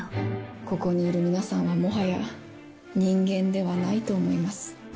ここにいる皆さんはもはや人間ではないと思います。